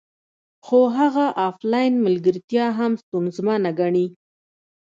خو هغه افلاین ملګرتیا هم ستونزمنه ګڼي